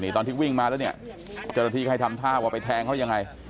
ตอนที่วิ่งมาแล้วจนตรงทีใครทำภาพว่าไปแทงเขายังไง